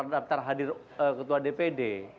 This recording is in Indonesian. daptar hadir ketua dpd